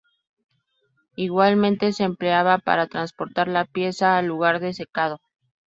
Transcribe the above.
Igualmente se empleaban para transportar la pieza al lugar de secado.